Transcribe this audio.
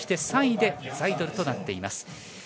３位でザイドルとなっています。